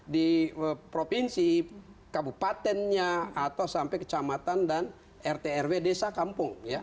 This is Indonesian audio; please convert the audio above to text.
di provinsi kabupatennya atau sampai kecamatan dan rt rw desa kampung